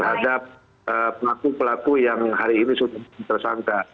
terhadap pelaku pelaku yang hari ini sudah tersangka